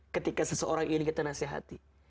ketika seseorang ingin kita nasehati